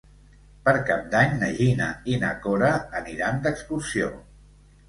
Per Cap d'Any na Gina i na Cora aniran d'excursió.